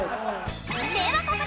［ではここで］